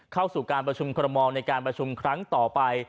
เข้าสู่การประชุมคอรมอลในการประชุมครั้งต่อไป